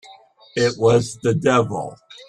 It was the devil!